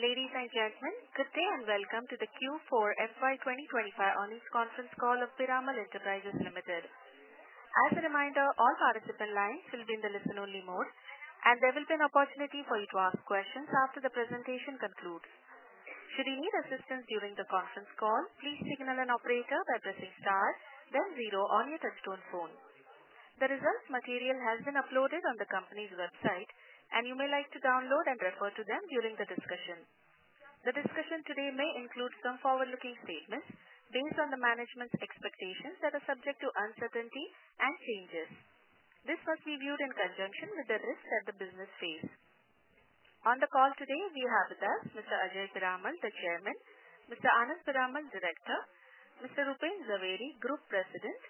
Ladies and gentlemen, good day and welcome to the Q4 FY 2025 Audit Conference Call of Piramal Enterprises Ltd. As a reminder, all participant lines will be in the listen-only mode, and there will be an opportunity for you to ask questions after the presentation concludes. Should you need assistance during the conference call, please signal an operator by pressing star, then zero on your touchstone phone. The results material has been uploaded on the company's website, and you may like to download and refer to them during the discussion. The discussion today may include some forward-looking statements based on the management's expectations that are subject to uncertainty and changes. This must be viewed in conjunction with the risks that the business face. On the call today, we have with us Mr. Ajay Piramal, the Chairman; Mr. Anand Piramal, Director; Mr. Rupen Jhaveri, Group President;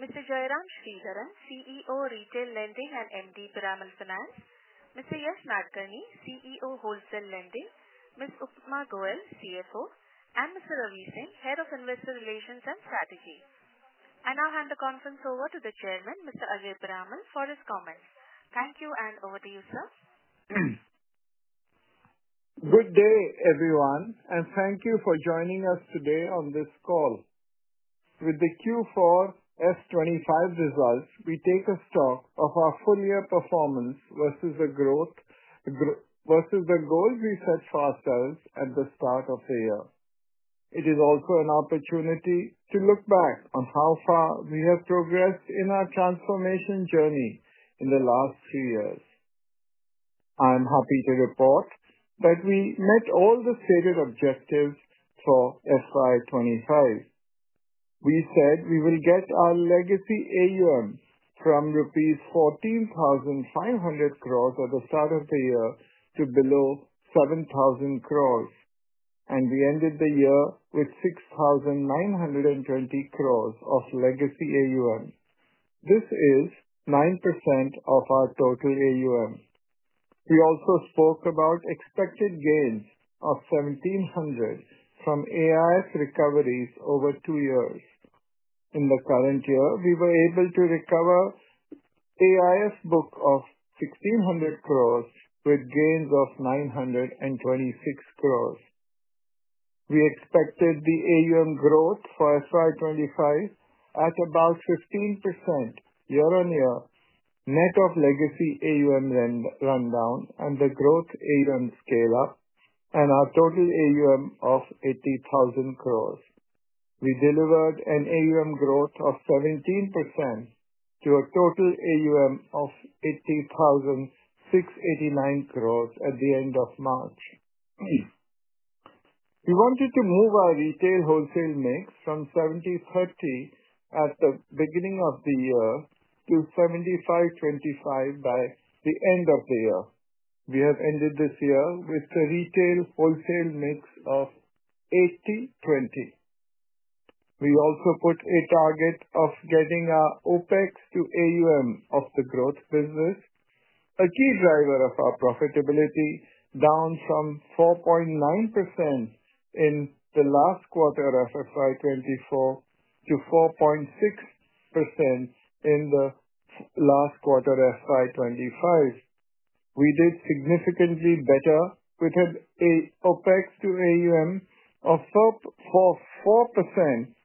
Mr. Jairam Sridharan, CEO, Retail Lending and MD, Piramal Finance, Mr. Yesh Nadkarni, CEO, Wholesale Lending, Ms. Upma Goel, CFO, and Mr. Ravi Singh, Head of Investor Relations and Strategy. I now hand the conference over to the Chairman, Mr. Ajay Piramal, for his comments. Thank you, and over to you, sir. Good day, everyone, and thank you for joining us today on this call. With the Q4 FY 2025 results, we take a stock of our full-year performance versus the goals we set for ourselves at the start of the year. It is also an opportunity to look back on how far we have progressed in our transformation journey in the last three years. I am happy to report that we met all the stated objectives for FY 2025. We said we will get our legacy AUM from rupees 14,500 crore at the start of the year to below 7,000 crore, and we ended the year with 6,920 crore of legacy AUM. This is 9% of our total AUM. We also spoke about expected gains of 1,700 crore from AIS recoveries over two years. In the current year, we were able to recover AIS book of 1,600 crore with gains of 926 crore. We expected the AUM growth for FY 2025 at about 15% year-on-year net of legacy AUM rundown and the growth AUM scale-up, and our total AUM of 80,000 crores. We delivered an AUM growth of 17% to a total AUM of 80,689 crores at the end of March. We wanted to move our retail wholesale mix from 70/30 at the beginning of the year to 75/25 by the end of the year. We have ended this year with the retail wholesale mix of 80/20. We also put a target of getting our OpEx to AUM of the growth business, a key driver of our profitability, down from 4.9% in the last quarter of FY 2024 to 4.6% in the last quarter of FY 2025. We did significantly better with an OpEx to AUM of 4%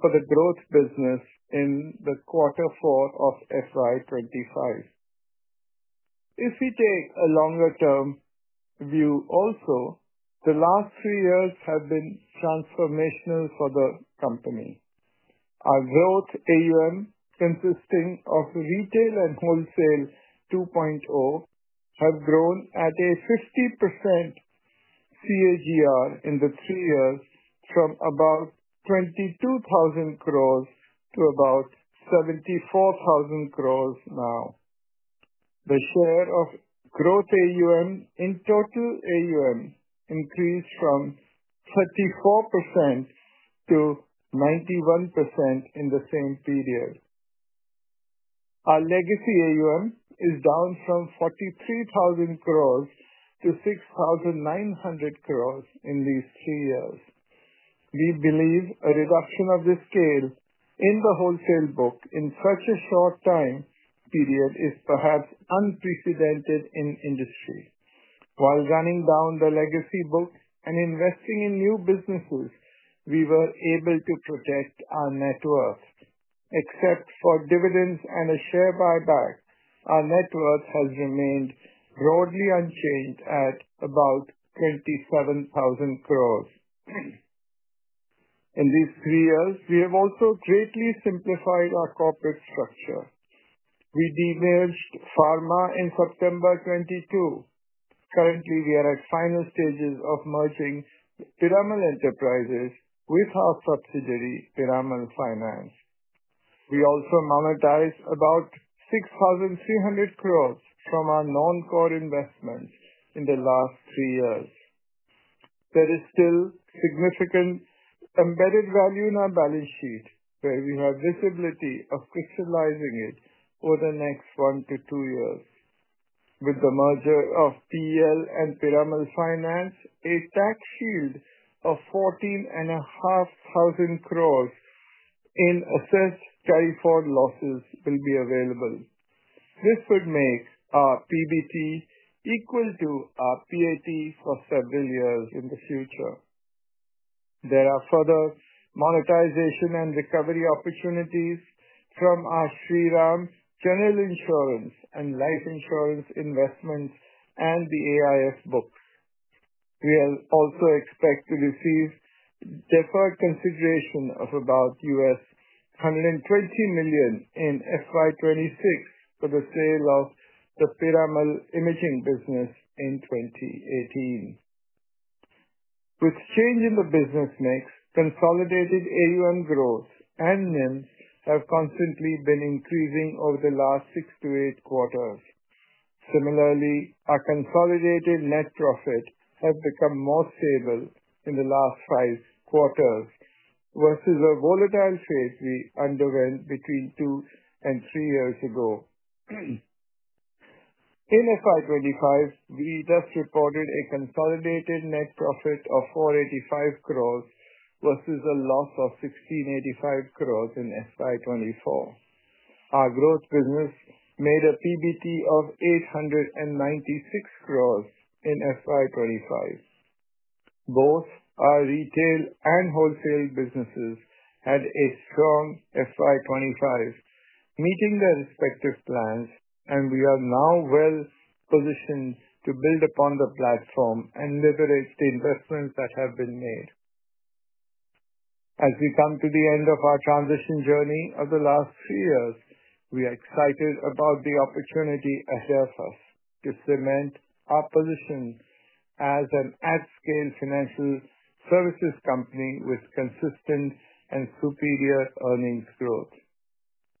for the growth business in quarter four of FY 2025. If we take a longer-term view also, the last three years have been transformational for the company. Our growth AUM, consisting of Retail and Wholesale 2.0, has grown at a 50% CAGR in the three years from about 22,000 crore to about 74,000 crore now. The share of growth AUM in total AUM increased from 34% to 91% in the same period. Our legacy AUM is down from 43,000 crore to 6,900 crore in these three years. We believe a reduction of the scale in the wholesale book in such a short time period is perhaps unprecedented in industry. While running down the legacy book and investing in new businesses, we were able to protect our net worth. Except for dividends and a share buyback, our net worth has remained broadly unchanged at about 27,000 crore. In these three years, we have also greatly simplified our corporate structure. We de-merged Pharma in September 2022. Currently, we are at final stages of merging Piramal Enterprises with our subsidiary, Piramal Finance. We also monetized about 6,300 crore from our non-core investments in the last three years. There is still significant embedded value in our balance sheet, where we have visibility of crystallizing it over the next one to two years. With the merger of PL and Piramal Finance, a tax shield of 14,500 crore in assessed carry-forward losses will be available. This would make our PBT equal to our PAT for several years in the future. There are further monetization and recovery opportunities from our Shriram General Insurance and Life Insurance investments and the AIS books. We also expect to receive deferred consideration of about $120 million in financial year 2026 for the sale of the Piramal Imaging business in 2018. With change in the business mix, consolidated AUM growth and NIMS have constantly been increasing over the last six to eight quarters. Similarly, our consolidated net profit has become more stable in the last five quarters versus a volatile phase we underwent between two and three years ago. In FY 2025, we just reported a consolidated net profit of 485 crore versus a loss of 1,685 crore in FY 2024. Our growth business made a PBT of 896 crore in FY 2025. Both our retail and wholesale businesses had a strong FY 2025, meeting their respective plans, and we are now well positioned to build upon the platform and leverage the investments that have been made. As we come to the end of our transition journey of the last three years, we are excited about the opportunity ahead of us to cement our position as an at-scale financial services company with consistent and superior earnings growth.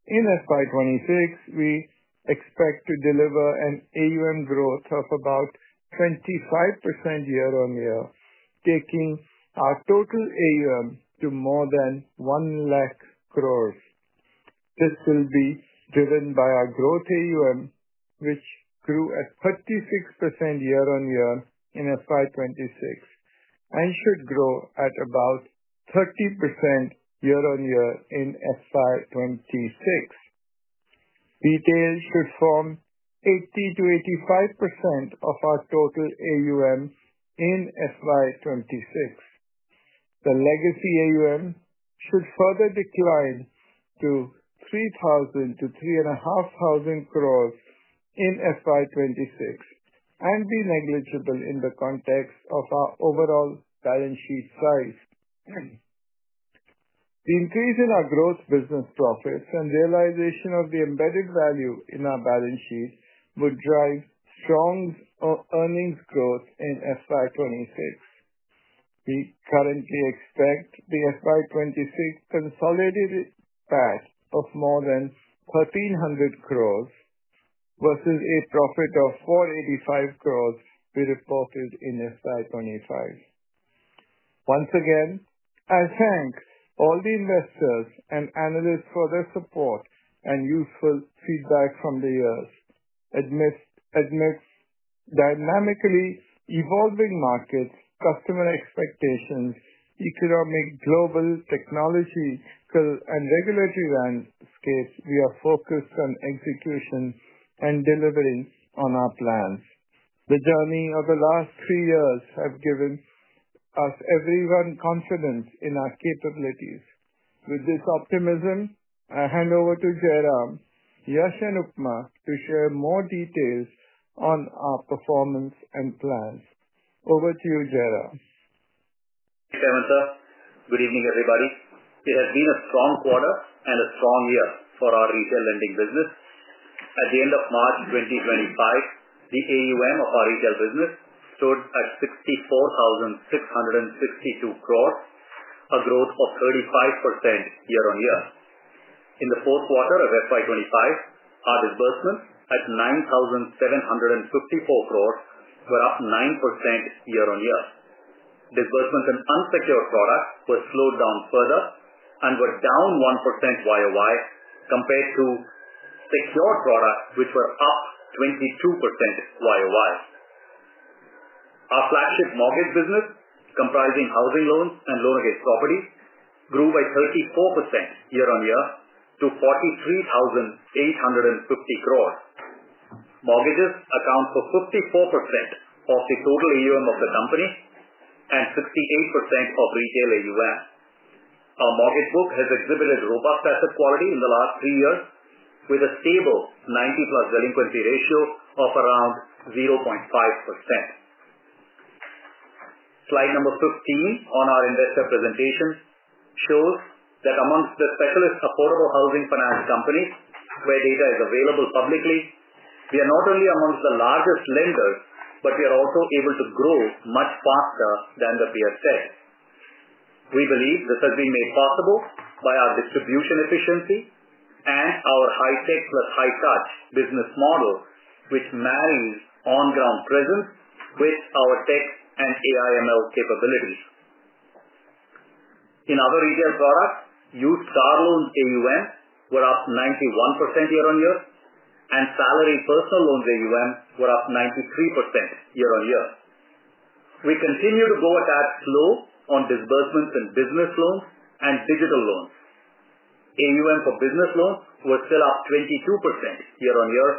In FY 2026, we expect to deliver an AUM growth of about 25% year-on-year, taking our total AUM to more than 1,000,000 crore. This will be driven by our growth AUM, which grew at 36% year-on-year in FY 2026 and should grow at about 30% year-on-year in FY 2026. Retail should form 80%-85% of our total AUM in FY 2026. The legacy AUM should further decline to INR 3,000-INR 3,500 crore in FY 2026 and be negligible in the context of our overall balance sheet size. The increase in our growth business profits and realization of the embedded value in our balance sheet would drive strong earnings growth in FY 2026. We currently expect the FY 2026 consolidated PAT of more than 1,300 crore versus a profit of 485 crore we reported in FY 2025. Once again, I thank all the investors and analysts for their support and useful feedback from the years. Amidst dynamically evolving markets, customer expectations, economic, global, technological, and regulatory landscapes, we are focused on execution and delivering on our plans. The journey of the last three years has given us everyone confidence in our capabilities. With this optimism, I hand over to Jairam, Yesh, and Upma to share more details on our performance and plans. Over to you, Jairam. Thank you, Ajay. Sir, good evening, everybody. It has been a strong quarter and a strong year for our retail lending business. At the end of March 2025, the AUM of our retail business stood at 64,662 crore, a growth of 35% year-on-year. In the fourth quarter of FY 2025, our disbursements at 9,754 crore were up 9% year-on-year. Disbursements in unsecured products were slowed down further and were down 1% year-on-year compared to secured products, which were up 22% year-on-year. Our flagship mortgage business, comprising housing loans and loan against property, grew by 34% year-on-year to 43,850 crore. Mortgages account for 54% of the total AUM of the company and 68% of retail AUM. Our mortgage book has exhibited robust asset quality in the last three years, with a stable 90+ days past due delinquency ratio of around 0.5%. Slide number 15 on our investor presentation shows that amongst the specialist affordable housing finance companies, where data is available publicly, we are not only amongst the largest lenders, but we are also able to grow much faster than the peer set. We believe this has been made possible by our distribution efficiency and our high-tech plus high-touch business model, which marries on-ground presence with our tech and AI/ML capabilities. In our retail products, used car loans AUM were up 91% year-on-year, and salary personal loans AUM were up 93% year-on-year. We continue to go at that slow on disbursements in business loans and digital loans. AUM for business loans were still up 22% year-on-year,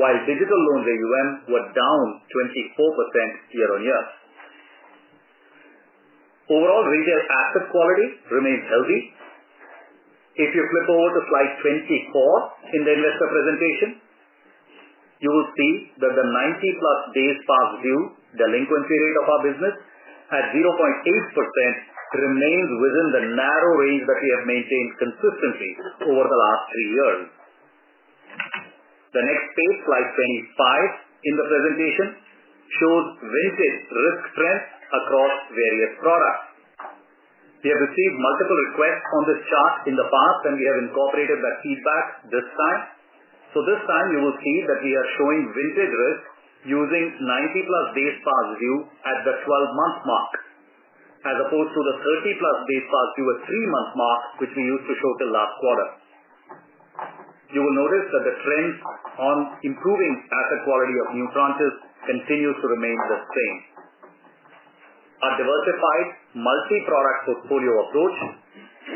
while digital loans AUM were down 24% year-on-year. Overall, retail asset quality remains healthy. If you flip over to slide 24 in the investor presentation, you will see that the 90+ days past due delinquency rate of our business at 0.8% remains within the narrow range that we have maintained consistently over the last three years. The next page, slide 25 in the presentation, shows vintage risk trends across various products. We have received multiple requests on this chart in the past, and we have incorporated that feedback this time. This time, you will see that we are showing vintage risk using 90+ days past due at the 12-month mark, as opposed to the 30+ days past due at three-month mark, which we used to show till last quarter. You will notice that the trend on improving asset quality of new branches continues to remain the same. Our diversified multi-product portfolio approach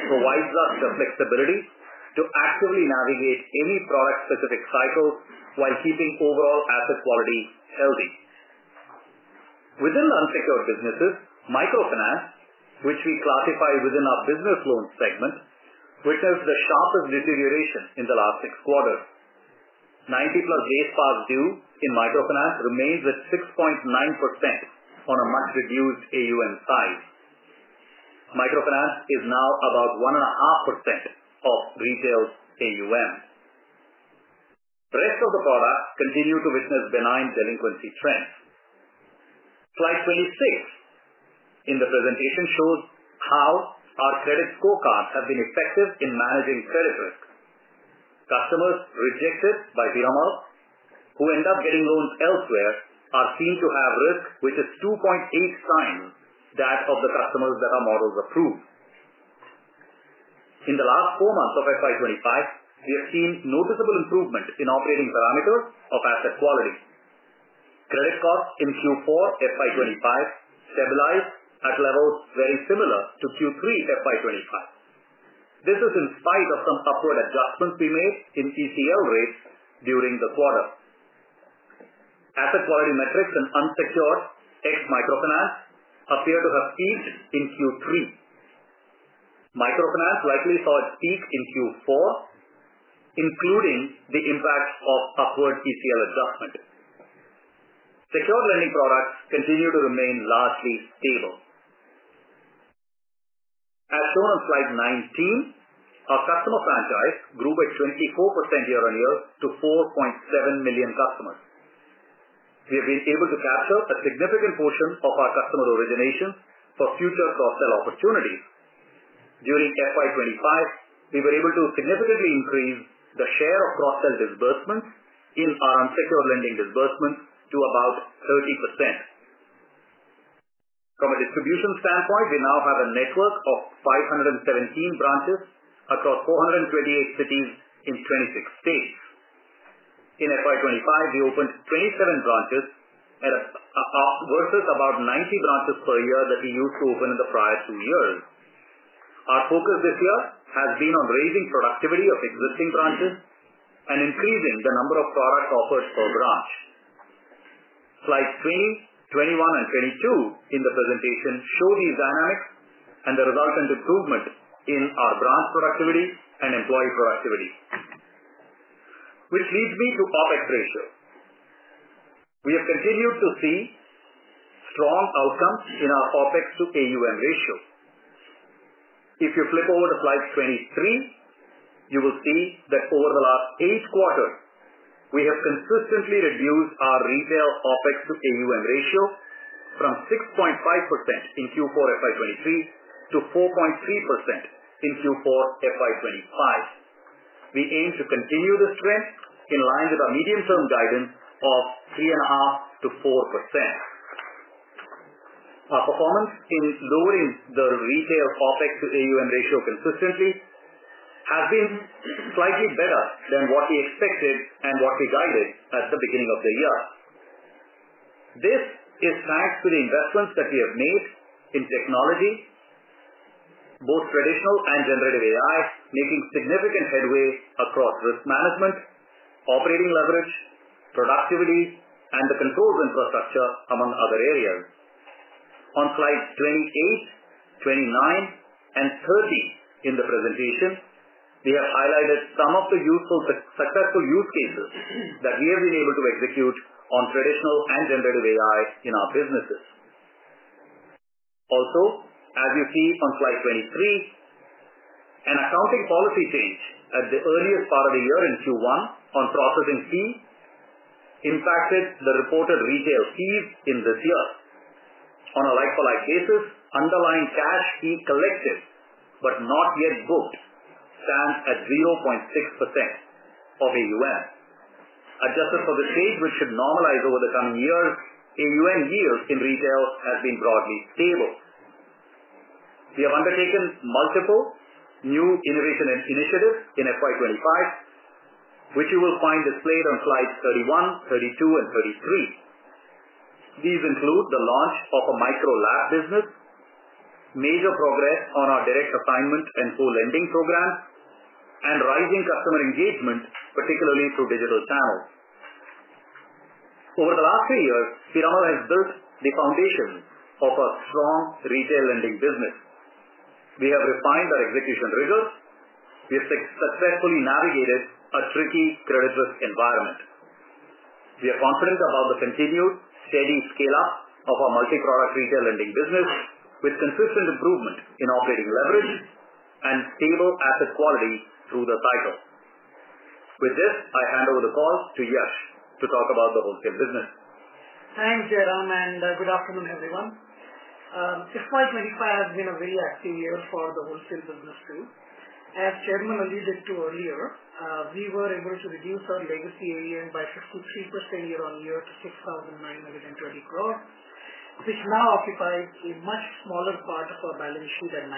provides us the flexibility to actively navigate any product-specific cycles while keeping overall asset quality healthy. Within the unsecured businesses, microfinance, which we classify within our business loan segment, witnessed the sharpest deterioration in the last six quarters. 90+ days past due in microfinance remains at 6.9% on a much-reduced AUM size. Microfinance is now about 1.5% of retail AUM. The rest of the products continue to witness benign delinquency trends. Slide 26 in the presentation shows how our credit scorecards have been effective in managing credit risk. Customers rejected by Piramal, who end up getting loans elsewhere, are seen to have risk which is 2.8x that of the customers that our models approve. In the last four months of FY 2025, we have seen noticeable improvement in operating parameters of asset quality. Credit costs in Q4 FY 2025 stabilized at levels very similar to Q3 FY 2025. This is in spite of some upward adjustments we made in TCL rates during the quarter. Asset quality metrics in unsecured ex-microfinance appear to have peaked in Q3. Microfinance likely saw a peak in Q4, including the impact of upward TCL adjustment. Secured lending products continue to remain largely stable. As shown on slide 19, our customer franchise grew by 24% year-on-year to 4.7 million customers. We have been able to capture a significant portion of our customer originations for future cross-sell opportunities. During FY 2025, we were able to significantly increase the share of cross-sell disbursements in our unsecured lending disbursements to about 30%. From a distribution standpoint, we now have a network of 517 branches across 428 cities in 26 states. In FY 2025, we opened 27 branches versus about 90 branches per year that we used to open in the prior two years. Our focus this year has been on raising productivity of existing branches and increasing the number of products offered per branch. Slides 20, 21, and 22 in the presentation show these dynamics and the resultant improvement in our branch productivity and employee productivity, which leads me to OpExratio. We have continued to see strong outcomes in our OpEx to AUM ratio. If you flip over to slide 23, you will see that over the last eight quarters, we have consistently reduced our retail OpEx to AUM ratio from 6.5% in Q4 FY 2023 to 4.3% in Q4 FY 2025. We aim to continue this trend in line with our medium-term guidance of 3.5%-4%. Our performance in lowering the retail OpEx to AUM ratio consistently has been slightly better than what we expected and what we guided at the beginning of the year. This is thanks to the investments that we have made in technology, both traditional and generative AI, making significant headway across risk management, operating leverage, productivity, and the controls infrastructure, among other areas. On slides 28, 29, and 30 in the presentation, we have highlighted some of the successful use cases that we have been able to execute on traditional and generative AI in our businesses. Also, as you see on slide 23, an accounting policy change at the earliest part of the year in Q1 on processing fee impacted the reported retail fees in this year. On a like-for-like basis, underlying cash fee collected, but not yet booked, stands at 0.6% of AUM. Adjusted for the stage, which should normalize over the coming years, AUM yield in retail has been broadly stable. We have undertaken multiple new innovation initiatives in FY 2025, which you will find displayed on slides 31, 32, and 33. These include the launch of a Micro Lab business, major progress on our direct assignment and full lending program, and rising customer engagement, particularly through digital channels. Over the last three years, Piramal has built the foundation of a strong retail lending business. We have refined our execution rigors. We have successfully navigated a tricky credit risk environment. We are confident about the continued steady scale-up of our multi-product retail lending business, with consistent improvement in operating leverage and stable asset quality through the cycle. With this, I hand over the call to Yesh to talk about the wholesale business. Thanks, Jairam, and good afternoon, everyone. FY 2025 has been a very active year for the wholesale business too. As Chairman alluded to earlier, we were able to reduce our legacy AUM by 53% year-on-year to 6,920 crore, which now occupies a much smaller part of our balance sheet at 9%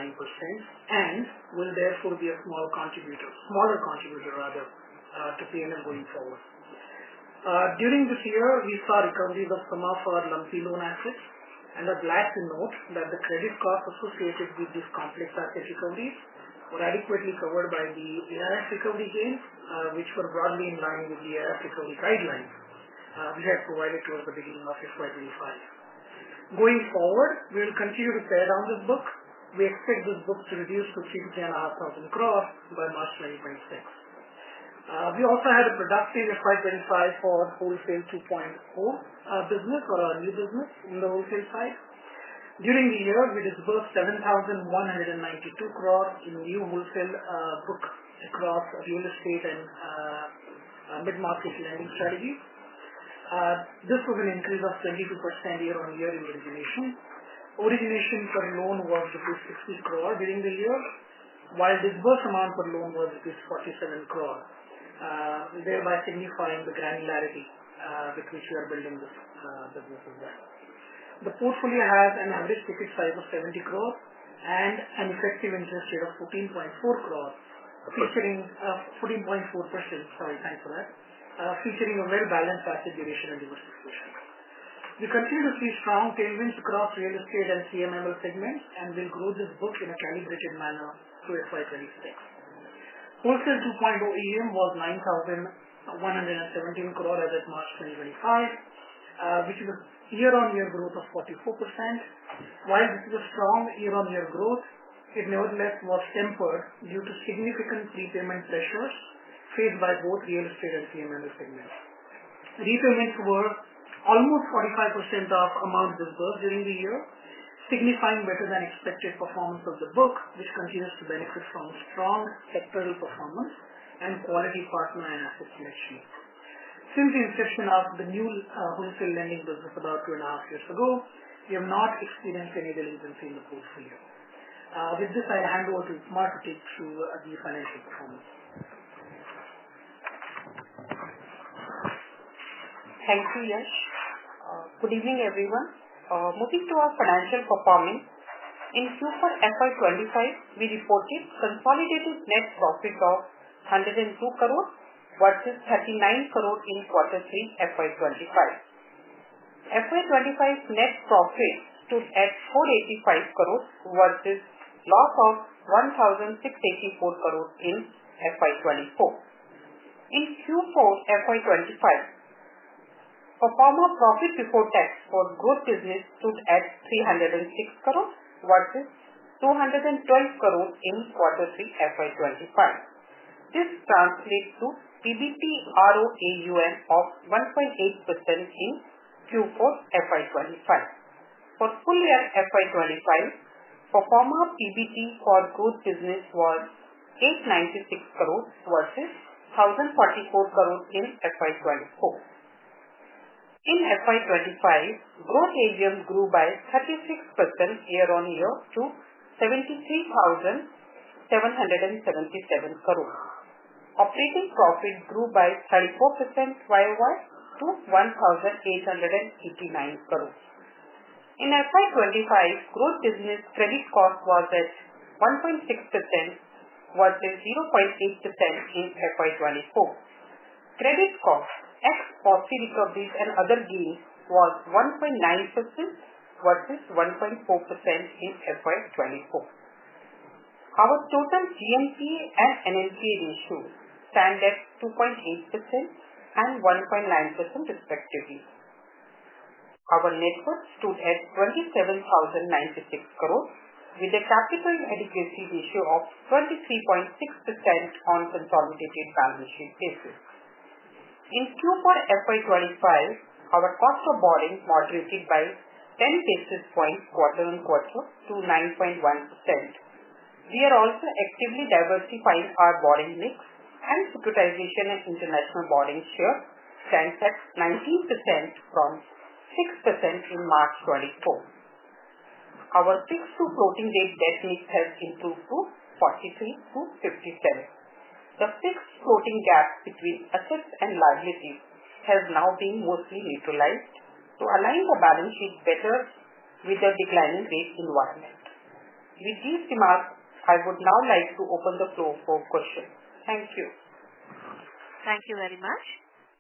and will therefore be a smaller contributor to P&L going forward. During this year, we saw recoveries of some of our lumpy loan assets, and I'd like to note that the credit costs associated with these complex asset recoveries were adequately covered by the ARF recovery gains, which were broadly in line with the ARF recovery guidelines we had provided towards the beginning of FY 2025. Going forward, we will continue to pare down this book. We expect this book to reduce to 3,000-3,500 crore by March 2026. We also had a productive FY 2025 for Wholesale 2.0 business or our new business in the wholesale side. During the year, we disbursed 7,192 crore in new wholesale book across real estate and mid-market lending strategies. This was an increase of 22% year-on-year in origination. Origination per loan was rupees 60 crore during the year, while disbursed amount per loan was rupees 47 crore, thereby signifying the granularity with which we are building this business as well. The portfolio has an average ticket size of 70 crore and an effective interest rate of 14.4%—sorry, thanks for that—featuring a well-balanced asset duration and diversification. We continue to see strong tailwinds across real estate and CMML segments and will grow this book in a calibrated manner through FY 2026. Wholesale 2.0 AUM was 9,117 crore as of March 2025, which is a year-on-year growth of 44%. While this is a strong year-on-year growth, it nevertheless was tempered due to significant prepayment pressures faced by both real estate and CMML segments. Repayments were almost 45% of amount disbursed during the year, signifying better-than-expected performance of the book, which continues to benefit from strong sectoral performance and quality partner and asset selection. Since the inception of the new wholesale lending business about two and a half years ago, we have not experienced any delinquency in the portfolio. With this, I hand over to Upma to take through the financial performance. Thank you, Yesh. Good evening, everyone. Moving to our financial performance, in Q4 FY 2025, we reported consolidated net profit of 102 crores versus 39 crores in Q3 FY 2025. FY 2025 net profit stood at 485 crores versus loss of 1,684 crores in FY 2024. In Q4 FY 2025, performer profit before tax for growth business stood at 306 crores versus 212 crores in Q3 FY 2025. This translates to PBT ROAUM of 1.8% in Q4 FY 2025. For full year FY 2025, performer PBT for growth business was 896 crores versus 1,044 crores in FY 2024. In FY 2025, growth AUM grew by 36% year-on-year to 73,777 crores. Operating profit grew by 34% year-on-year to 1,889 crores. In FY 2025, growth business credit cost was at 1.6% versus 0.8% in FY 2024. Credit cost ex-post recoveries and other gains was 1.9% versus 1.4% in FY 2024. Our total GNPA and NNPA ratio stand at 2.8% and 1.9%, respectively. Our net worth stood at 27,096 crore, with a capital adequacy ratio of 23.6% on consolidated balance sheet basis. In Q4 FY 2025, our cost of borrowing moderated by 10 basis points quarter on quarter to 9.1%. We are also actively diversifying our borrowing mix and securitization and international borrowing share stands at 19% from 6% in March 2024. Our fixed to floating rate debt mix has improved to 43-57. The fixed floating gap between assets and liabilities has now been mostly neutralized to align the balance sheet better with a declining rate environment. With these remarks, I would now like to open the floor for questions. Thank you. Thank you very much.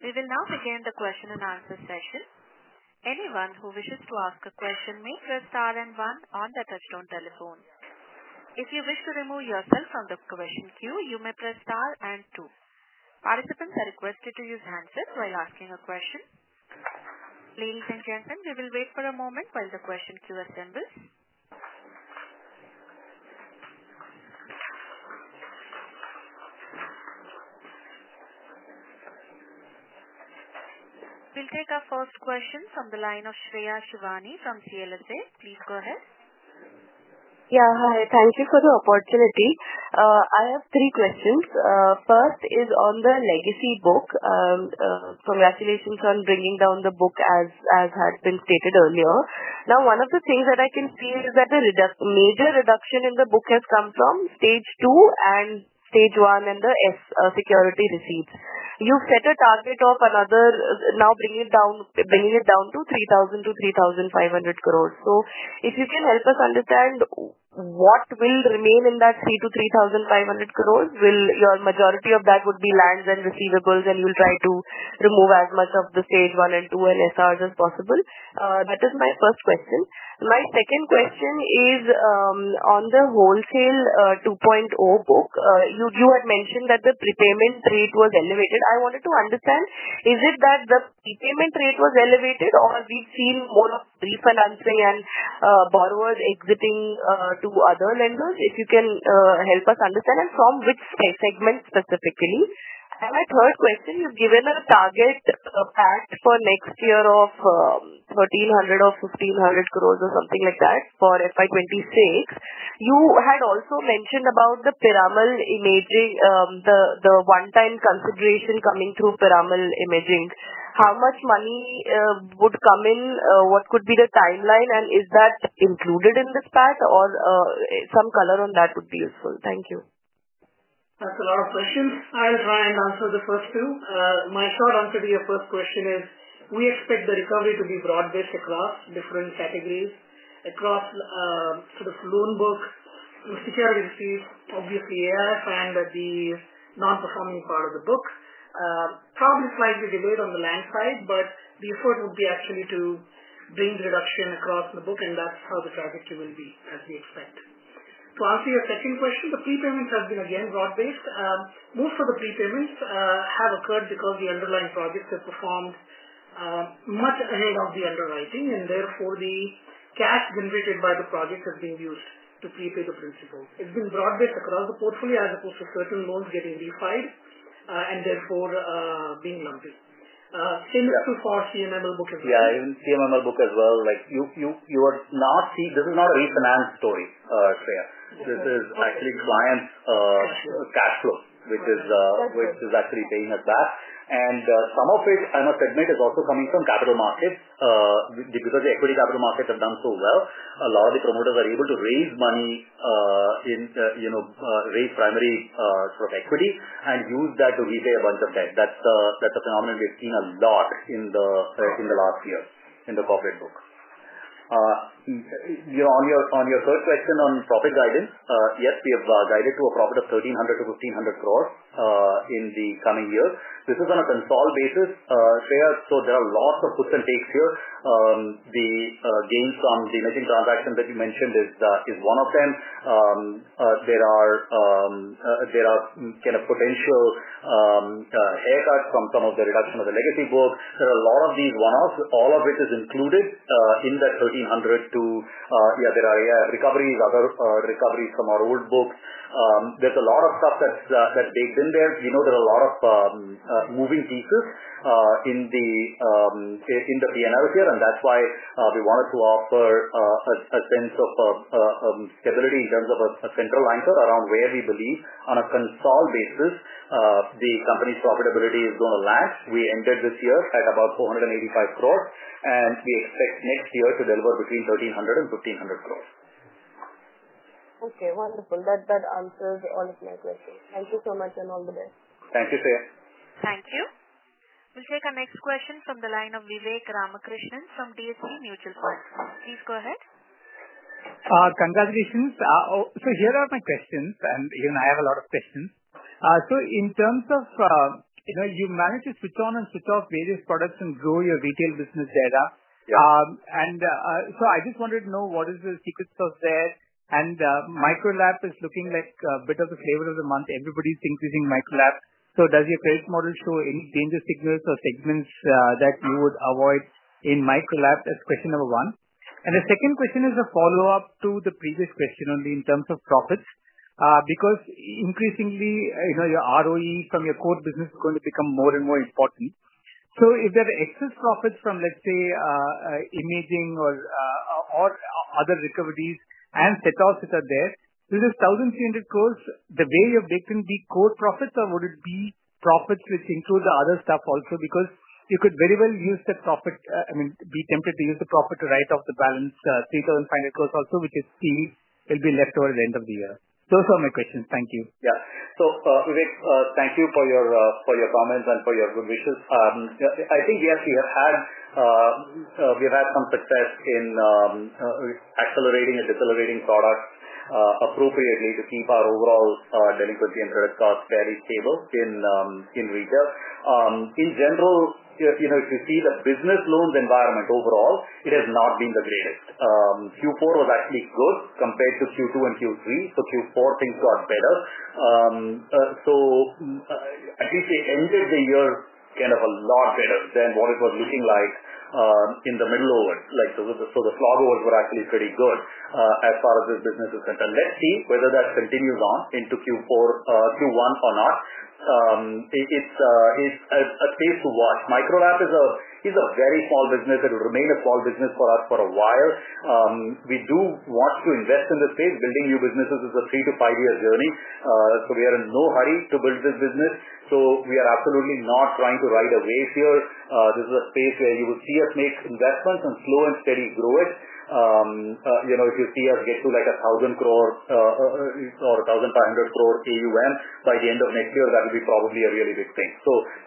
We will now begin the question and answer session. Anyone who wishes to ask a question may press star and one on the touchstone telephone. If you wish to remove yourself from the question queue, you may press star and two. Participants are requested to use handsets while asking a question. Ladies and gentlemen, we will wait for a moment while the question queue assembles. We'll take our first question from the line of Shreya Shivani from CLSA. Please go ahead. Yeah, hi. Thank you for the opportunity. I have three questions. First is on the legacy book. Congratulations on bringing down the book, as has been stated earlier. Now, one of the things that I can see is that the major reduction in the book has come from stage two and stage one and the security receipts. You've set a target of another now bringing it down to 3,000-3,500 crores. If you can help us understand what will remain in that 3,000-3,500 crores, will your majority of that be lands and receivables, and you'll try to remove as much of the stage one and two and SRs as possible? That is my first question. My second question is on the Wholesale 2.0 book. You had mentioned that the prepayment rate was elevated. I wanted to understand, is it that the prepayment rate was elevated, or have we seen more of refinancing and borrowers exiting to other lenders? If you can help us understand, and from which segment specifically? My third question, you've given a target path for next year of 1,300 crore or 1,500 crore or something like that for FY 2026. You had also mentioned about the Piramal Imaging, the one-time consideration coming through Piramal Imaging. How much money would come in? What could be the timeline, and is that included in this path, or some color on that would be useful? Thank you. That's a lot of questions. I'll try and answer the first two. My short answer to your first question is we expect the recovery to be broad-based across different categories, across sort of loan book, security receipts, obviously ARF, and the non-performing part of the book. Probably slightly delayed on the land side, but the effort would be actually to bring the reduction across the book, and that's how the trajectory will be, as we expect. To answer your second question, the prepayments have been again broad-based. Most of the prepayments have occurred because the underlying projects have performed much ahead of the underwriting, and therefore the cash generated by the project has been used to prepay the principal. It's been broad-based across the portfolio as opposed to certain loans getting defied and therefore being lumpy. Same is true for CMML book as well. Yeah, even CMML book as well. You are not—this is not a refinance story, Shreya. This is actually clients' cash flow, which is actually paying us back. Some of it, I must admit, is also coming from capital markets because the equity capital markets have done so well. A lot of the promoters are able to raise money, raise primary sort of equity, and use that to repay a bunch of debt. That is a phenomenon we have seen a lot in the last year in the corporate book. On your third question on profit guidance, yes, we have guided to a profit of 1,300-1,500 crores in the coming year. This is on a consolidated basis, Shreya. There are lots of puts and takes here. The gains from the emerging transactions that you mentioned is one of them. There are kind of potential haircuts from some of the reduction of the legacy book. There are a lot of these one-offs, all of which is included in that INR 1,300-yeah, there are ARF recoveries, other recoveries from our old books. There's a lot of stuff that's baked in there. We know there are a lot of moving pieces in the P&L here, and that's why we wanted to offer a sense of stability in terms of a central anchor around where we believe on a consolidated basis the company's profitability is going to land. We ended this year at about 485 crore, and we expect next year to deliver between 1,300 and 1,500 crore. Okay, wonderful. That answers all of my questions. Thank you so much, and all the best. Thank you, Shreya. Thank you. We'll take our next question from the line of Vivek Ramakrishnan from DSP Mutual Fund. Please go ahead. Congratulations. Here are my questions, and I have a lot of questions. In terms of you managed to switch on and switch off various products and grow your retail business data. I just wanted to know what is the secret sauce there. Micro Lab is looking like a bit of the flavor of the month. Everybody's thinking of Micro Lab. Does your credit model show any danger signals or segments that you would avoid in Micro Lab? That's question number one. The second question is a follow-up to the previous question only in terms of profits because increasingly your ROE from your core business is going to become more and more important. If there are excess profits from, let's say, imaging or other recoveries and setups that are there, will those 1,300 crore, the way you have baked in, be core profits, or would it be profits which include the other stuff also? Because you could very well use the profit—I mean, be tempted to use the profit to write off the balance, 3,500 crore also, which is sealed, will be left over at the end of the year. Those are my questions. Thank you. Yeah. Vivek, thank you for your comments and for your good wishes. I think, yes, we have had some success in accelerating and decelerating products appropriately to keep our overall delinquency and credit costs fairly stable in retail. In general, if you see the business loans environment overall, it has not been the greatest. Q4 was actually good compared to Q2 and Q3. For Q4, things got better. At least we ended the year kind of a lot better than what it was looking like in the middle over. The slog over were actually pretty good as far as this business is concerned. Let's see whether that continues on into Q1 or not. It is a case to watch. MicroLab is a very small business. It will remain a small business for us for a while. We do want to invest in this space. Building new businesses is a three- to five-year journey. We are in no hurry to build this business. We are absolutely not trying to ride a wave here. This is a space where you will see us make investments and slow and steady grow it. If you see us get to like 1,000 crore or 1,500 crore AUM by the end of next year, that will be probably a really big thing.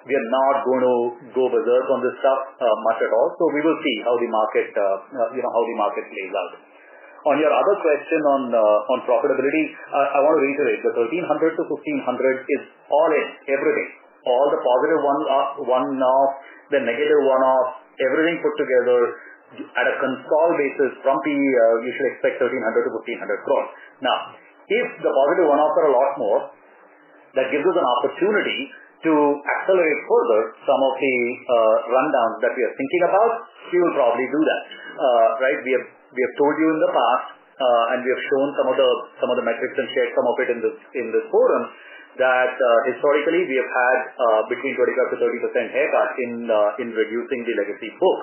We are not going to go berserk on this stuff much at all. We will see how the market plays out. On your other question on profitability, I want to reiterate, the 1,300-1,500 crore is all in, everything. All the positive one-offs, the negative one-offs, everything put together at a consolidated basis from PER, you should expect 1,300-1,500 crore. Now, if the positive one-offs are a lot more, that gives us an opportunity to accelerate further some of the rundowns that we are thinking about, we will probably do that. Right? We have told you in the past, and we have shown some of the metrics and shared some of it in this forum, that historically we have had between 25%-30% haircut in reducing the legacy book.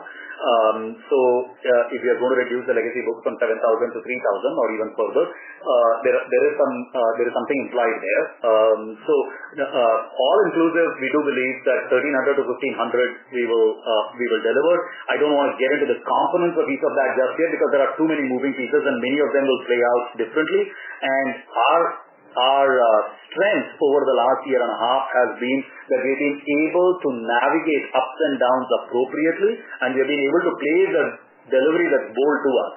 If we are going to reduce the legacy book from 7,000 crore to 3,000 crore or even further, there is something implied there. All inclusive, we do believe that 1,300-1,500 crore we will deliver. I do not want to get into the components of each of that just yet because there are too many moving pieces, and many of them will play out differently. Our strength over the last year and a half has been that we have been able to navigate ups and downs appropriately, and we have been able to play the delivery that's bold to us.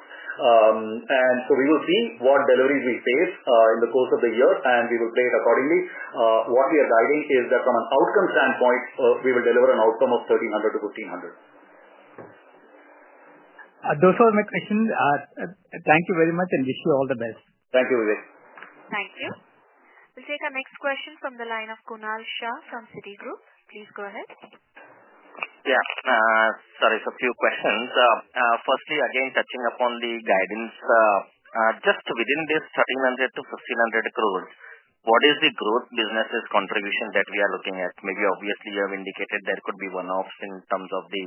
We will see what deliveries we face in the course of the year, and we will play it accordingly. What we are guiding is that from an outcome standpoint, we will deliver an outcome of 1,300-1,500. Those were my questions. Thank you very much, and wish you all the best. Thank you, Vivek. Thank you. We'll take our next question from the line of Kunal Shah from Citigroup. Please go ahead. Yeah. Sorry, so a few questions. Firstly, again, touching upon the guidance, just within this 1,300-1,500 crores, what is the growth business's contribution that we are looking at? Maybe obviously you have indicated there could be one-offs in terms of the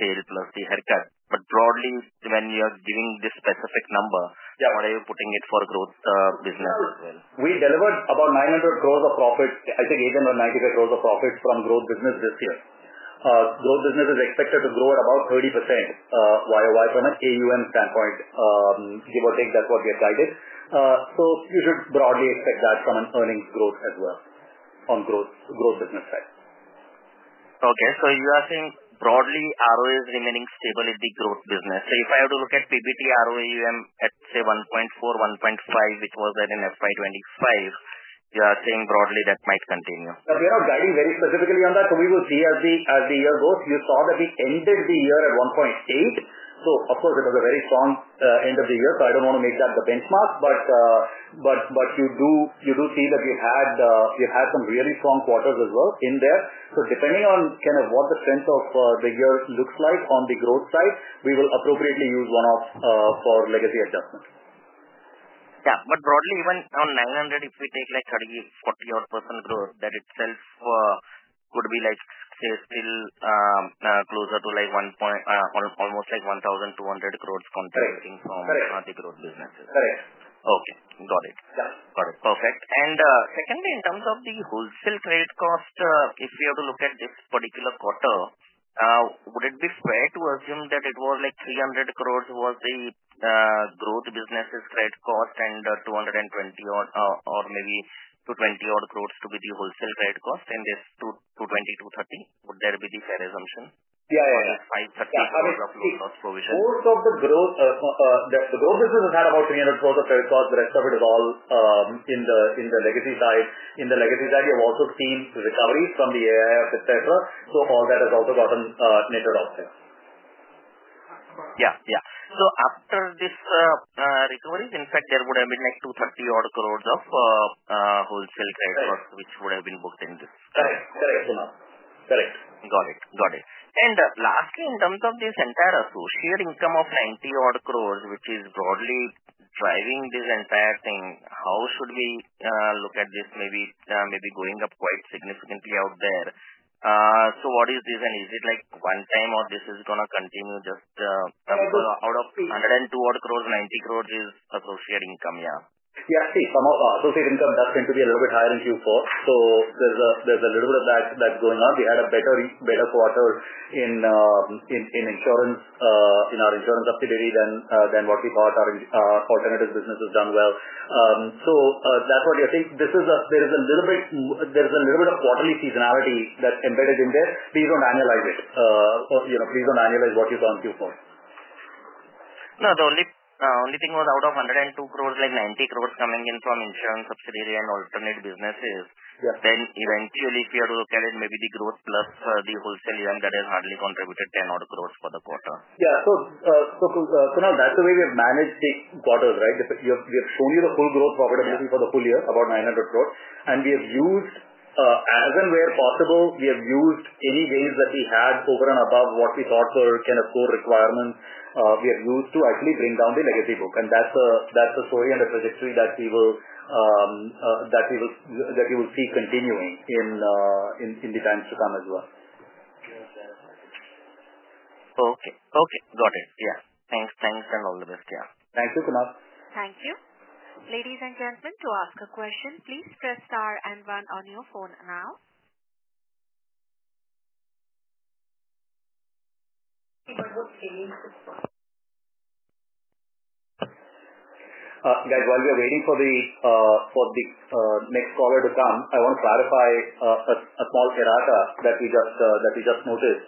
sale plus the haircut. Broadly, when you are giving this specific number, what are you putting it for growth business as well? We delivered about 900 crore of profits, I think 895 crore of profits from growth business this year. Growth business is expected to grow at about 30% YOY from an AUM standpoint. Give or take, that's what we have guided. You should broadly expect that from an earnings growth as well on growth business side. Okay. So you are saying broadly ROE is remaining stable in the growth business. If I were to look at PBT ROE, you have at, say, 1.4, 1.5, which was at an FY 2025, you are saying broadly that might continue? Yeah. We are not guiding very specifically on that. We will see as the year goes. You saw that we ended the year at 1.8. It was a very strong end of the year. I do not want to make that the benchmark, but you do see that we have had some really strong quarters as well in there. Depending on what the strength of the year looks like on the growth side, we will appropriately use one-off for legacy adjustment. Yeah. But broadly, even on 900 crore, if we take like 30-40% growth, that itself would be like, say, still closer to almost like 1,200 crores contributing from the growth businesses. Correct. Okay. Got it. Got it. Perfect. Secondly, in terms of the wholesale credit cost, if we are to look at this particular quarter, would it be fair to assume that it was like 300 crore was the growth business's credit cost and 220 crore maybe 220-odd crore to be the wholesale credit cost, and there is INR 220-INR 230 crore? Would that be the fair assumption? Yeah, yeah. Or is INR 530 crores of loss provision? Most of the growth business has had about 300 crores of credit cost. The rest of it is all in the legacy side. In the legacy side, you have also seen recoveries from the AIF, etc. So all that has also gotten netted off there. Yeah, yeah. After this recovery, in fact, there would have been like 230-odd crores of wholesale credit cost which would have been booked in this. Correct. Correct. Yes. Correct. Got it. Got it. Lastly, in terms of this entire associated income of 90-odd crores, which is broadly driving this entire thing, how should we look at this? Maybe going up quite significantly out there. What is this? Is it like one-time or is this going to continue just? It's going to be 102-odd crores, 90 crores is associated income, yeah. Yeah. See, from associated income, that's going to be a little bit higher in Q4. There is a little bit of that going on. We had a better quarter in insurance, in our insurance subsidiary than what we thought. Our alternative business has done well. That's what I think. There is a little bit of quarterly seasonality that's embedded in there. Please do not analyze it. Please do not analyze what you found Q4. No, the only thing was out of 102 crores, like 90 crores coming in from insurance subsidiary and alternate businesses. Eventually, if we are to look at it, maybe the growth plus the wholesale event has hardly contributed 10-odd crores for the quarter. Yeah. Kunal, that's the way we have managed the quarters, right? We have shown you the full growth profitability for the full year, about 900 crore. We have used, as and where possible, any gains that we had over and above what we thought were kind of core requirements. We have used that to actually bring down the legacy book. That is the story and the trajectory that we will see continuing in the times to come as well. Okay. Got it. Yeah. Thanks, and all the best. Yeah. Thank you, Kunal. Thank you. Ladies and gentlemen, to ask a question, please press star and one on your phone now. Guys, while we are waiting for the next caller to come, I want to clarify a small errata that we just noticed.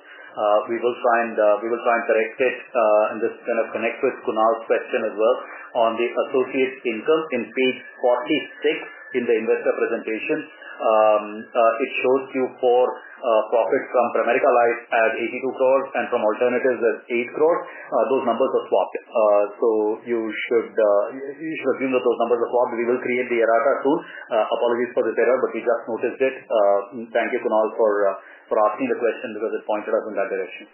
We will try and correct it and just kind of connect with Kunal's question as well on the associated income in page 46 in the investor presentation. It shows Q4 profits from Pramerica Life as 82 crore and from alternatives as 8 crore. Those numbers are swapped. You should assume that those numbers are swapped. We will create the errata soon. Apologies for this error, but we just noticed it. Thank you, Kunal, for asking the question because it pointed us in that direction.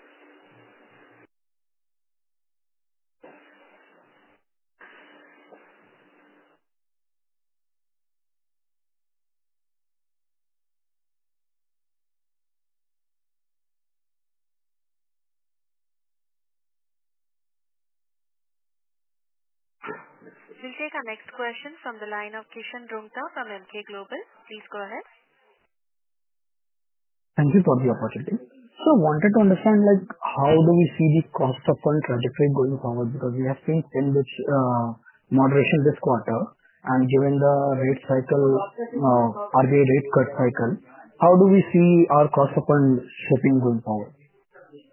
We'll take our next question from the line of Kishan Rungta from Emkay Global. Please go ahead. Thank you for the opportunity. I wanted to understand how do we see the cost-to-income trajectory going forward because we have seen a bit of moderation this quarter. Given the rate cycle, RBI rate cut cycle, how do we see our cost-to-income shaping going forward?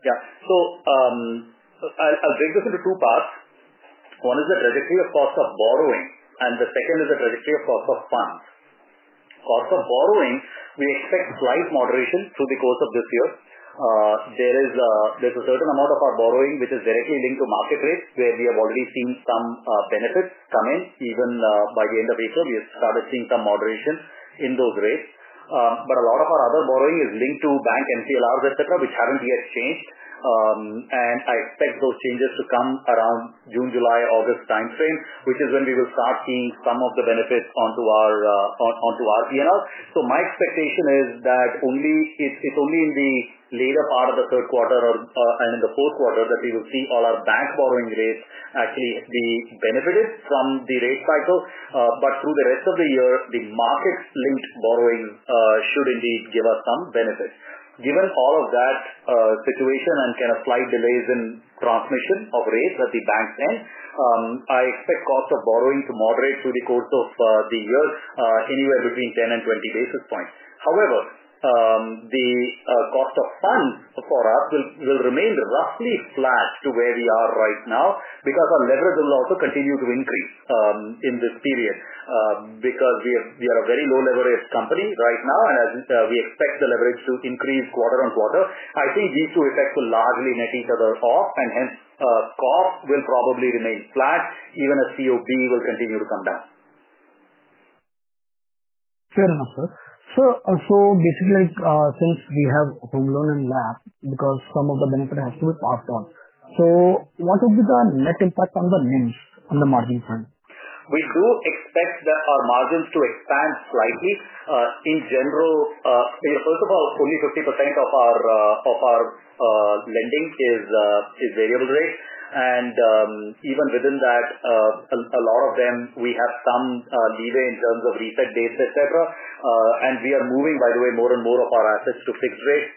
Yeah. I'll break this into two parts. One is the trajectory of cost of borrowing, and the second is the trajectory of cost of funds. Cost of borrowing, we expect slight moderation through the course of this year. There is a certain amount of our borrowing which is directly linked to market rates, where we have already seen some benefits come in. Even by the end of April, we have started seeing some moderation in those rates. A lot of our other borrowing is linked to bank MCLRs, etc., which have not yet changed. I expect those changes to come around June, July, August timeframe, which is when we will start seeing some of the benefits onto our P&L. My expectation is that it's only in the later part of the third quarter and in the fourth quarter that we will see all our bank borrowing rates actually be benefited from the rate cycle. Through the rest of the year, the market-linked borrowing should indeed give us some benefit. Given all of that situation and kind of slight delays in transmission of rates at the bank's end, I expect cost of borrowing to moderate through the course of the year anywhere between 10 and 20 basis points. However, the cost of funds for us will remain roughly flat to where we are right now because our leverage will also continue to increase in this period. Because we are a very low-leveraged company right now, and we expect the leverage to increase quarter on quarter, I think these two effects will largely net each other off, and hence cost will probably remain flat, even as COB will continue to come down. Fair enough, sir. So basically, since we have home loan and LAP, because some of the benefit has to be passed on, what would be the net impact on the margin side? We do expect our margins to expand slightly. In general, first of all, only 50% of our lending is variable rate. Even within that, a lot of them, we have some leeway in terms of reset dates, etc. We are moving, by the way, more and more of our assets to fixed rates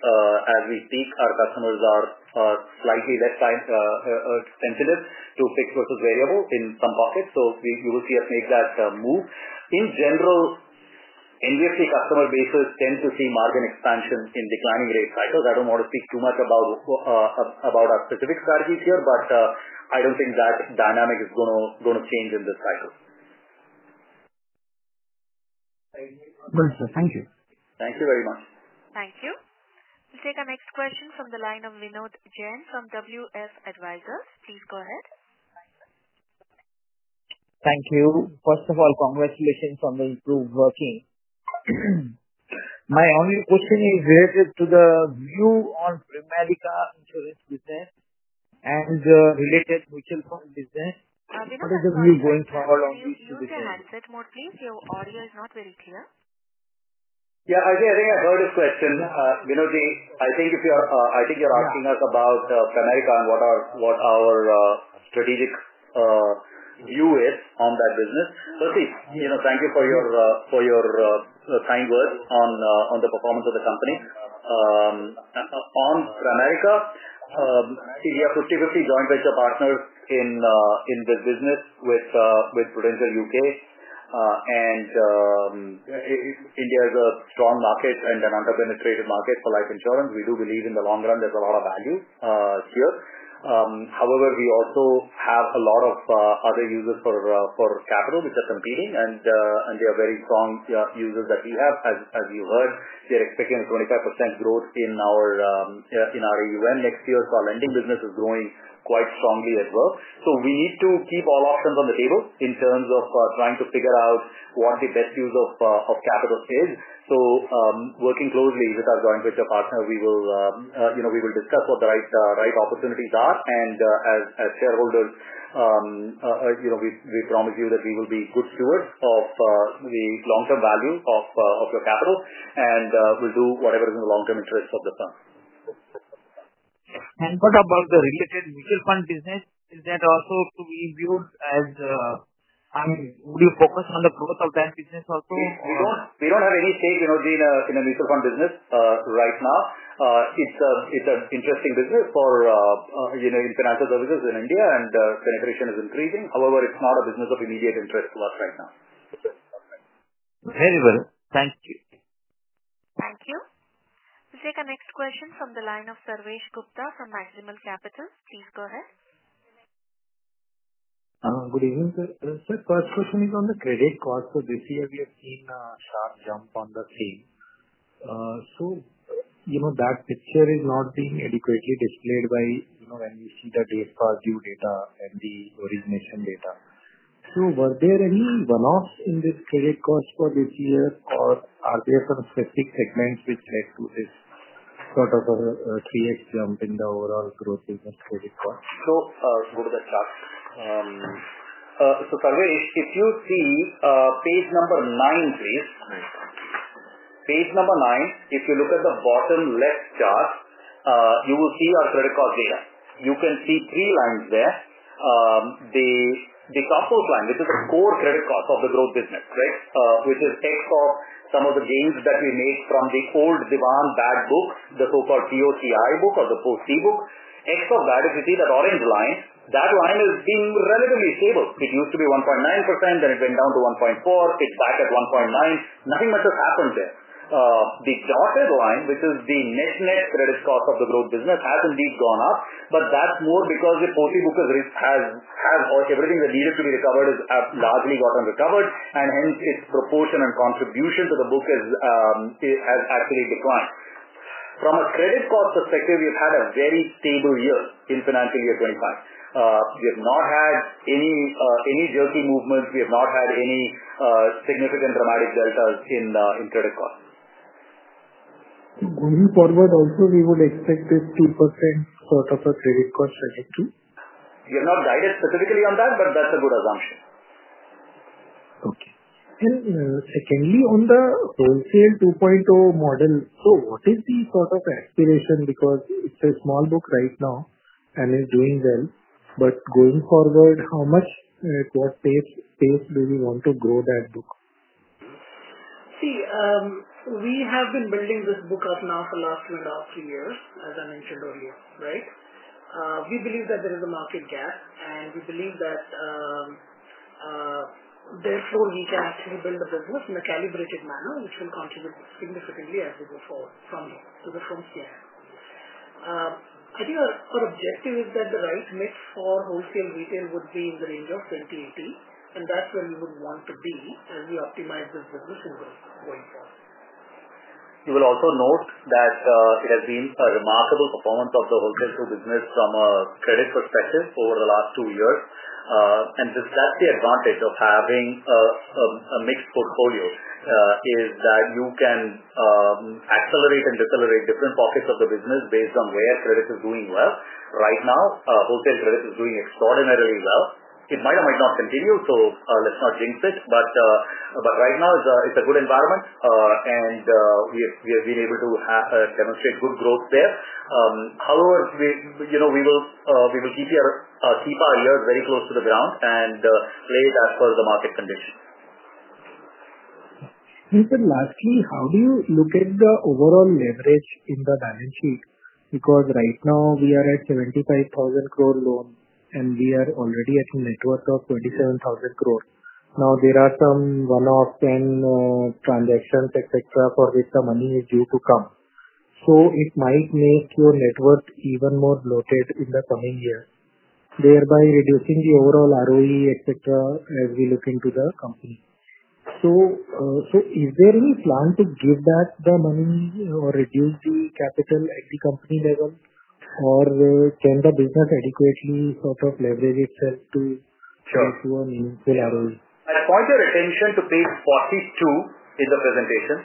as we speak. Our customers are slightly less sensitive to fixed versus variable in some pockets. You will see us make that move. In general, NBFC customer bases tend to see margin expansion in declining rate cycles. I do not want to speak too much about our specific strategies here, but I do not think that dynamic is going to change in this cycle. Thank you, sir. Thank you very much. Thank you. We'll take our next question from the line of Vinod Jain from WF Advisors. Please go ahead. Thank you. First of all, congratulations on the improved working. My only question is related to the view on Pramerica Life Insurance business and related mutual fund business. What is your view going forward on these two businesses? Can you repeat your mindset more, please? Your audio is not very clear. Yeah. I think I heard your question. Vinod, I think you're asking us about Pramerica and what our strategic view is on that business. See, thank you for your kind words on the performance of the company. On Pramerica, we have 50/50 joint venture partners in this business with Prudential UK. India is a strong market and an under-penetrated market for life insurance. We do believe in the long run there's a lot of value here. However, we also have a lot of other uses for capital which are competing, and they are very strong uses that we have. As you heard, they're expecting a 25% growth in our AUM next year. Our lending business is growing quite strongly as well. We need to keep all options on the table in terms of trying to figure out what the best use of capital is. Working closely with our joint venture partner, we will discuss what the right opportunities are. As shareholders, we promise you that we will be good stewards of the long-term value of your capital, and we'll do whatever is in the long-term interest of the fund. What about the related mutual fund business? Is that also to be viewed as, I mean, would you focus on the growth of that business also? We don't have any stake, Vinod, in the mutual fund business right now. It's an interesting business for international services in India, and penetration is increasing. However, it's not a business of immediate interest to us right now. Very well. Thank you. Thank you. We'll take our next question from the line of Sarvesh Gupta from Maximal Capital. Please go ahead. Good evening, sir. Sir, first question is on the credit cost. This year, we have seen a sharp jump on the same. That picture is not being adequately displayed when we see the days past due data and the origination data. Were there any one-offs in this credit cost for this year, or are there some specific segments which led to this sort of a 3x jump in the overall growth in this credit cost? Go to the chart. Sarvesh, if you see page number 9, please. Page number 9, if you look at the bottom left chart, you will see our credit cost data. You can see three lines there. The topmost line, which is the core credit cost of the growth business, right, which is ex of some of the gains that we make from the old Divan Bad Book, the so-called POCI book or the POCI book. Ex of that, if you see that orange line, that line has been relatively stable. It used to be 1.9%, then it went down to 1.4%, it is back at 1.9%. Nothing much has happened there. The dotted line, which is the net-net credit cost of the growth business, has indeed gone up, but that's more because the POCI book has everything that needed to be recovered has largely gotten recovered, and hence its proportion and contribution to the book has actually declined. From a credit cost perspective, we've had a very stable year in financial year 2025. We have not had any jerky movements. We have not had any significant dramatic deltas in credit cost. Going forward also, we would expect this 2% sort of a credit cost trajectory? We have not guided specifically on that, but that's a good assumption. Okay. Secondly, on the Wholesale 2.0 model, what is the sort of aspiration? Because it is a small book right now and is doing well, but going forward, how much, at what pace do we want to grow that book? See, we have been building this book up now for the last two and a half, three years, as I mentioned earlier, right? We believe that there is a market gap, and we believe that therefore we can actually build a business in a calibrated manner, which will contribute significantly as we go forward from here to the front year. I think our objective is that the right mix for wholesale retail would be in the range of 20-80, and that's where we would want to be as we optimize this business in going forward. You will also note that it has been a remarkable performance of the Wholesale 2.0 business from a credit perspective over the last two years. That is the advantage of having a mixed portfolio, is that you can accelerate and decelerate different pockets of the business based on where credit is doing well. Right now, wholesale credit is doing extraordinarily well. It might or might not continue, so let's not jinx it. Right now, it is a good environment, and we have been able to demonstrate good growth there. However, we will keep our ears very close to the ground and play as per the market conditions. Vinod, lastly, how do you look at the overall leverage in the balance sheet? Because right now, we are at 75,000 crore loan, and we are already at a net worth of 27,000 crore. Now, there are some one-off transactions, etc., for which the money is due to come. It might make your net worth even more bloated in the coming years, thereby reducing the overall ROE, etc., as we look into the company. Is there any plan to give back the money or reduce the capital at the company level? Or can the business adequately sort of leverage itself to achieve a meaningful ROE? I point your attention to page 42 in the presentation,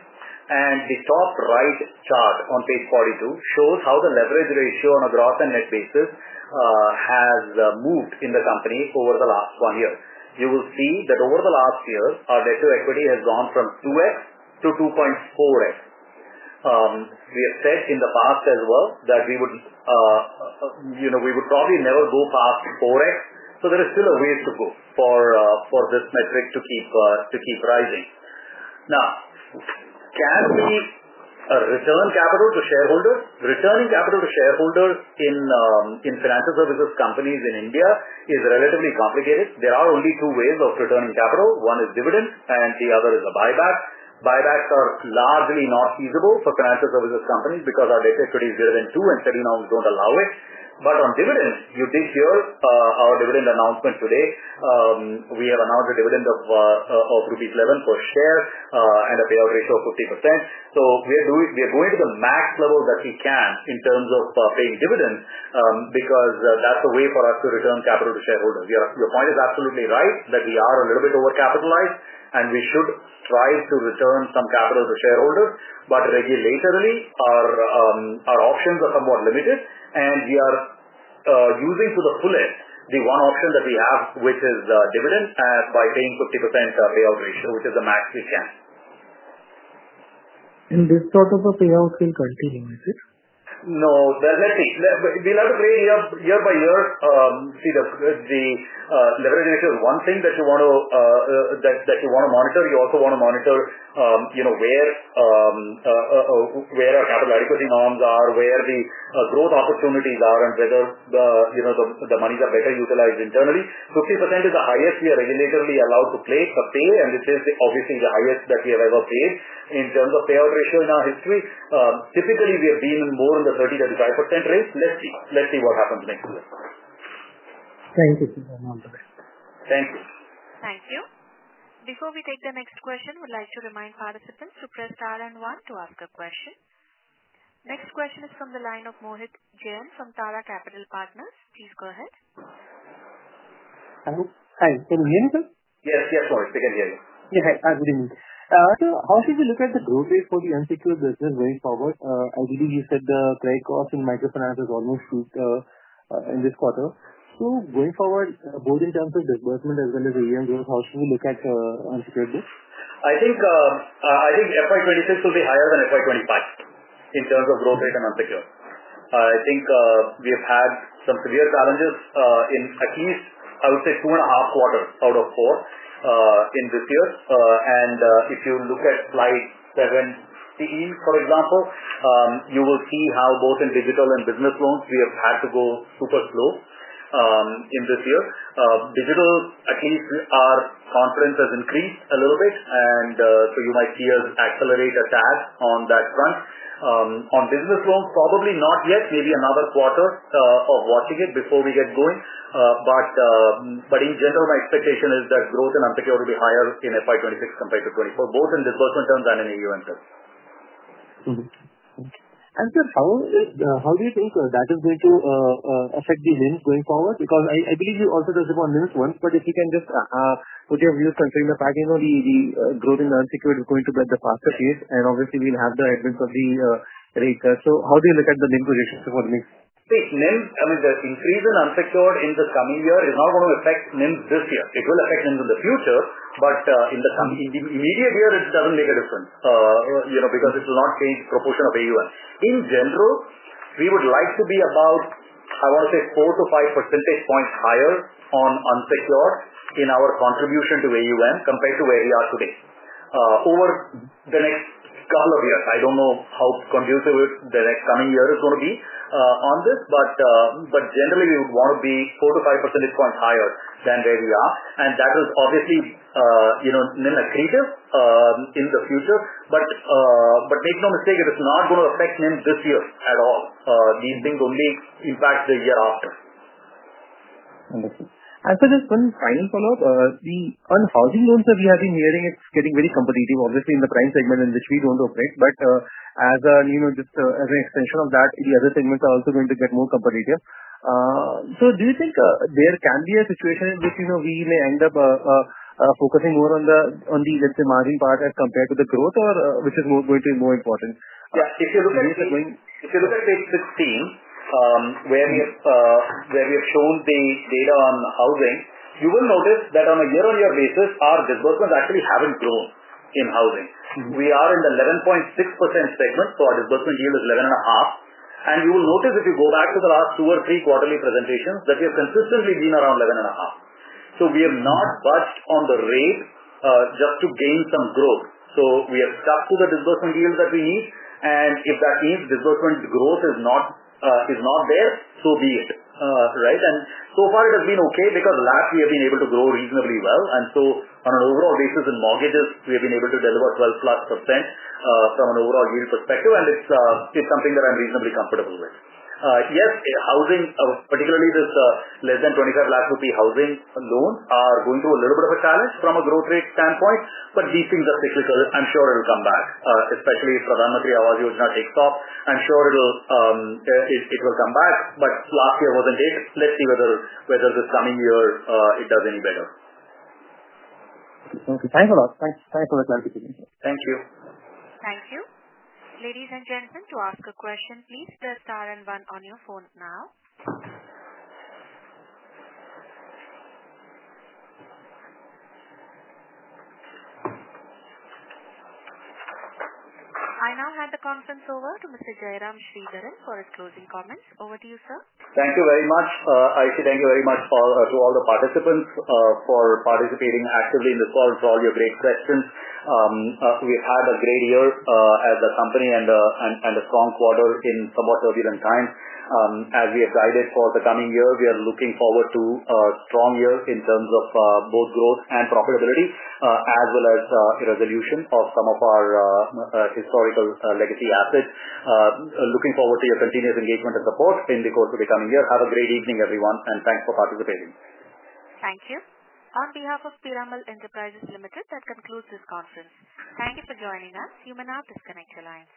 and the top right chart on page 42 shows how the leverage ratio on a gross and net basis has moved in the company over the last one year. You will see that over the last year, our net-to-equity has gone from 2x to 2.4x. We have said in the past as well that we would probably never go past 4x, so there is still a ways to go for this metric to keep rising. Now, can we return capital to shareholders? Returning capital to shareholders in financial services companies in India is relatively complicated. There are only two ways of returning capital. One is dividends, and the other is a buyback. Buybacks are largely not feasible for financial services companies because our net-to-equity is greater than two, and SEBI regulations do not allow it. On dividends, you did hear our dividend announcement today. We have announced a dividend of rupees 11 per share and a payout ratio of 50%. We are going to the max level that we can in terms of paying dividends because that is a way for us to return capital to shareholders. Your point is absolutely right that we are a little bit over-capitalized, and we should strive to return some capital to shareholders. Regulatorily, our options are somewhat limited, and we are using to the fullest the one option that we have, which is dividend, by paying 50% payout ratio, which is the max we can. This sort of a payout will continue, is it? No. Let's see. We'll have to create year by year. See, the leverage ratio is one thing that you want to monitor. You also want to monitor where our capital adequacy norms are, where the growth opportunities are, and whether the monies are better utilized internally. 50% is the highest we are regulatorily allowed to pay, and this is obviously the highest that we have ever paid in terms of payout ratio in our history. Typically, we have been more in the 30%-35% range. Let's see what happens next year. Thank you, sir. Thank you. Thank you. Before we take the next question, we'd like to remind participants to press star and one to ask a question. Next question is from the line of Mohit Jain from Tara Capital Partners. Please go ahead. Hi. Can you hear me? Yes. Yes, Mohit. We can hear you. Yes. Hi. Good evening. Sir, how should we look at the growth rate for the unsecured business going forward? I believe you said the credit cost in microfinance has almost peaked in this quarter. Going forward, both in terms of disbursement as well as AUM growth, how should we look at unsecured this? I think FY 2026 will be higher than FY 2025 in terms of growth rate and unsecured. I think we have had some severe challenges in at least, I would say, two and a half quarters out of four in this year. If you look at slide 70, for example, you will see how both in digital and business loans, we have had to go super slow in this year. Digital, at least our confidence has increased a little bit, and you might see us accelerate a tad on that front. On business loans, probably not yet. Maybe another quarter of watching it before we get going. In general, my expectation is that growth and unsecured will be higher in FY 2026 compared to 2024, both in disbursement terms and in AUM terms. Sir, how do you think that is going to affect the NIMS going forward? Because I believe you also touched upon NIMS once, but if you can just put your views considering the fact that the growth in the unsecured is going to be at a faster pace, and obviously, we will have the advance of the rate. How do you look at the NIMS projections for the next? See, NIMS, I mean, the increase in unsecured in the coming year is not going to affect NIMS this year. It will affect NIMs in the future, but in the immediate year, it does not make a difference because it will not change the proportion of AUM. In general, we would like to be about, I want to say, four to five percentage points higher on unsecured in our contribution to AUM compared to where we are today over the next couple of years. I do not know how conducive the next coming year is going to be on this, but generally, we would want to be four to five percentage points higher than where we are. That is obviously NIMS accretive in the future. Make no mistake, it is not going to affect NIMS this year at all. These things only impact the year after. Understood. Sir, just one final follow-up. The housing loans that we have been hearing, it's getting very competitive, obviously, in the prime segment in which we do not operate. As an extension of that, the other segments are also going to get more competitive. Do you think there can be a situation in which we may end up focusing more on the, let's say, margin part as compared to the growth, or which is going to be more important? Yeah. If you look at page 16, where we have shown the data on housing, you will notice that on a year-on-year basis, our disbursements actually have not grown in housing. We are in the 11.6% segment, so our disbursement yield is 11.5%. You will notice, if you go back to the last two or three quarterly presentations, that we have consistently been around 11.5%. We have not budged on the rate just to gain some growth. We have stuck to the disbursement yield that we need, and if that means disbursement growth is not there, so be it, right? So far, it has been okay because last, we have been able to grow reasonably well. On an overall basis, in mortgages, we have been able to deliver 12%+ from an overall yield perspective, and it is something that I am reasonably comfortable with. Yes, housing, particularly this less than 2.5 lakh rupee housing loan, are going through a little bit of a challenge from a growth rate standpoint, but these things are cyclical. I'm sure it'll come back, especially if Pradhan Mantri Awas Yojana takes off. I'm sure it will come back, but last year wasn't it. Let's see whether this coming year it does any better. Okay. Thanks a lot. Thanks for the clarification. Thank you. Thank you. Ladies and gentlemen, to ask a question, please press star and one on your phone now. I now hand the conference over to Mr. Jairam Sridharan for his closing comments. Over to you, sir. Thank you very much. I say thank you very much to all the participants for participating actively in this call and for all your great questions. We've had a great year as a company and a strong quarter in somewhat turbulent times. As we have guided for the coming year, we are looking forward to a strong year in terms of both growth and profitability, as well as a resolution of some of our historical legacy assets. Looking forward to your continuous engagement and support in the course of the coming year. Have a great evening, everyone, and thanks for participating. Thank you. On behalf of Piramal Enterprises Ltd, that concludes this conference. Thank you for joining us. You may now disconnect your line.